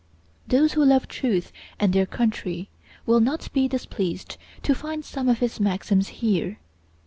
Those who love truth and their country will not be displeased to find some of his maxims here.